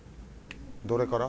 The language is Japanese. どれから？